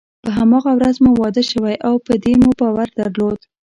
په هماغه ورځ مو واده شوی او په دې مو باور درلود.